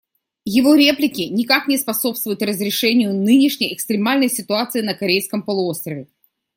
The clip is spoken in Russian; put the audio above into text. Его реплики никак не способствуют разрешению нынешней экстремальной ситуации на Корейском полуострове.